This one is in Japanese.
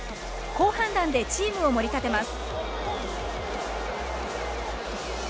好判断でチームを盛り立てます。